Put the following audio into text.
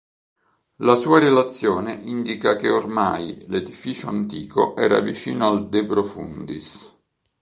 La sua relazione indica che ormai l'edificio antico era vicino al "de profundis".